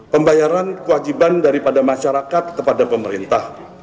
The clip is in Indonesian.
pembayaran kewajiban daripada masyarakat kepada pemerintah